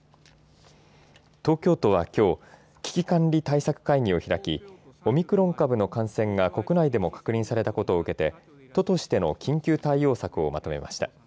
東京都はきょう危機管理対策会議を開きオミクロン株の感染が国内でも確認されたことを受けて都としての緊急対応策をまとめました。